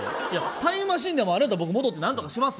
タイムマシンでもあるんやったら戻って、どうにかしますよ。